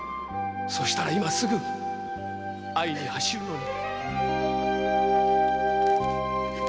「そしたら今すぐに会いに走るのに」